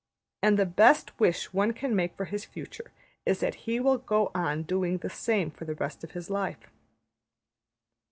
And the best wish one can make for his future is that he will go on doing the same for the rest of his life.